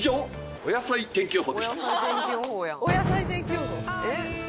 「お野菜天気予報」